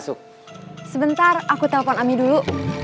sebentar aku telpon ami dulu